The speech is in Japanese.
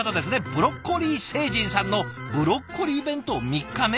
ブロッコリー星人さんの「ブロッコリー弁当３日目」？